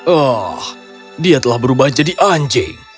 ah dia telah berubah jadi anjing